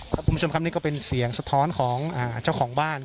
คุณผู้ชมครับนี่ก็เป็นเสียงสะท้อนของเจ้าของบ้าน